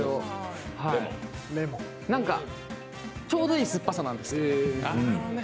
なんか、ちょうどいい酸っぱさなんですよ。